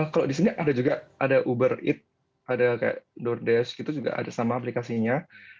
kalau di sini ada juga uber eat ada doordash itu juga sama aplikasinya